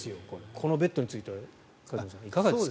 このベッドについては梶本さん、いかがですか。